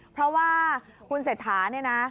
เพราะว่าคุณเสธานั้น